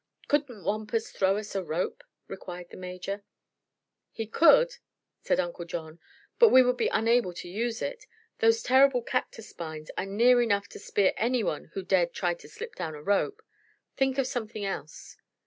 "Couldn't Wampus throw us a rope?" inquired the Major. "He could," said Uncle John; "but we would be unable to use it. Those terrible cactus spines are near enough to spear anyone who dared try to slide down a rope. Think of something else."